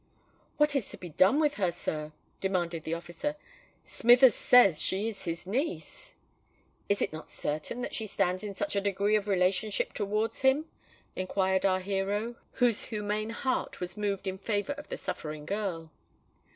"What is to be done with her, sir?" demanded the officer. "Smithers says she is his niece——" "Is it not certain that she stands in such a degree of relationship towards him?" inquired our hero, whose humane heart was moved in favour of the suffering girl.